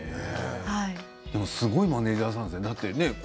すごいマネージャーさんですよね。